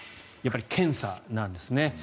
やはり検査なんですね。